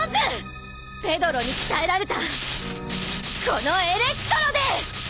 ペドロに鍛えられたこのエレクトロで！